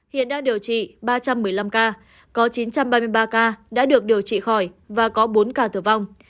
hiện đang điều trị ba trăm một mươi năm ca có chín trăm ba mươi ba ca đã được điều trị khỏi và có bốn ca tử vong